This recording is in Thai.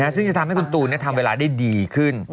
ซึ่งจะทำให้คุณตูนทำเวลาได้ดีขึ้น